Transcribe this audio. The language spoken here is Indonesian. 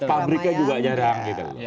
pabriknya juga jarang